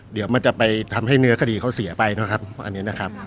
เดี๋ยวมันจะไปทำให้เนื้อคดีเขาเสียไปนะครับอันนี้นะครับ